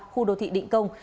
khu đô thị định công